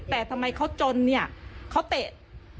แต่ทำไมเขาจนเนี่ยเขาเตะ